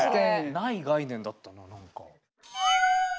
ない概念だったな何か。